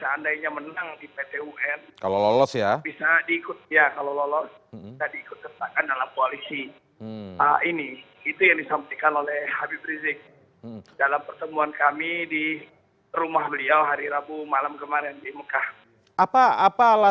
ini yang disampaikan oleh habib rizik di dalam pertemuan rabu malam itu